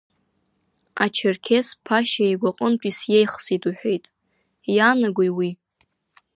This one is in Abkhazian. Ачқрқьес Ԥашьа игәаҟынтәи сиеихсит уҳәеит, иаанагои уи?